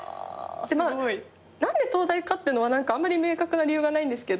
まあ何で東大かっていうのはあんまり明確な理由がないんですけど。